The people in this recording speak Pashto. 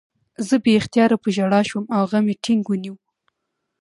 زه بې اختیاره په ژړا شوم او هغه مې ټینګ ونیو